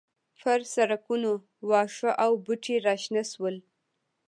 پر سړکونو واښه او بوټي راشنه شول